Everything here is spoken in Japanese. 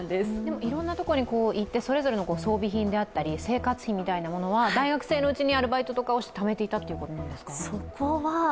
いろんな所に行って、それぞれの装備品であったり生活費みたいなものは大学生のうちにアルバイトとかをして、ためていたということですか。